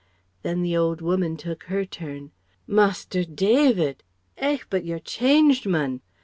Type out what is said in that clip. Then the old woman took her turn: "Master David! Eh, but you're changed, mun!"